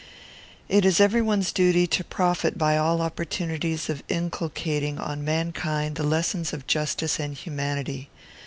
It is every one's duty to profit by all opportunities of inculcating on mankind the lessons of justice and humanity.